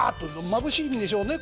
まぶしいんでしょうね